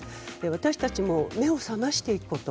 私たちも目を覚ましていくこと。